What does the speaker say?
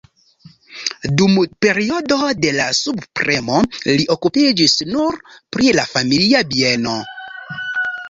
Dum periodo de la subpremo li okupiĝis nur pri la familia bieno.